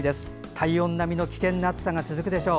体温並みの危険な暑さが続くでしょう。